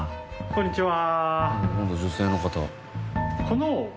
こんにちは。